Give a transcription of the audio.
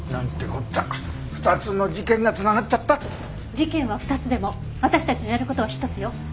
事件は２つでも私たちのやる事は１つよ。